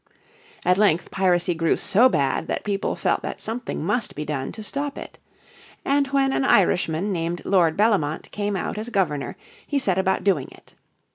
At length piracy grew so bad that people felt that something must be done to stop it. And when an Irishman named Lord Bellomont came out as Governor in 1696 he set about doing it.